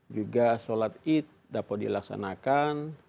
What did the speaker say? juga sholat id dapat dilaksanakan